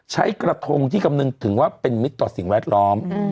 ใช้กระทงที่คำนึงถึงว่าเป็นมิตรต่อสิ่งแวดล้อม